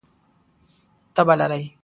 تبه لرئ؟